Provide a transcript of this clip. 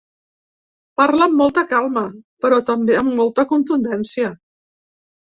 Parla amb molta calma, però també amb molta contundència.